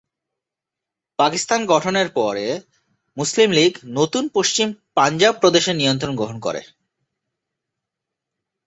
পাকিস্তান গঠনের পরে, মুসলিম লীগ নতুন পশ্চিম পাঞ্জাব প্রদেশের নিয়ন্ত্রণ গ্রহণ করে।